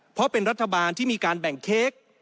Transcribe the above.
เพราะเป็นรัฐบาลที่มีการแบ่งเค้ก